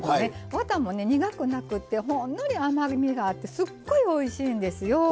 ワタもね苦くなくってほんのり甘みがあってすっごいおいしいんですよ。